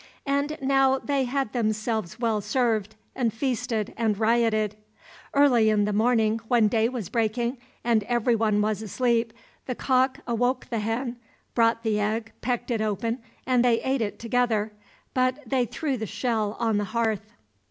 And now they had themselves well served, and feasted and rioted. Early in the morning, when day was breaking, and every one was asleep, the cock awoke the hen, brought the egg, pecked it open, and they ate it together, but they threw the shell on the hearth.